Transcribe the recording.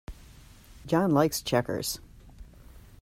John likes checkers.